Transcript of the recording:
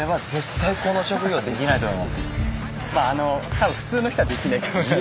多分普通の人はできないと思います。